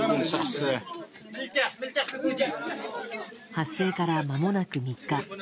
発生から、まもなく３日。